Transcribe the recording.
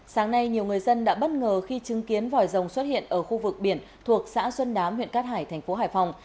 sáng nay nhiều người dân đã bất ngờ khi chứng kiến vòi rồng xuất hiện ở khu vực biển thuộc xã xuân đám huyện cát hải thành phố hải phòng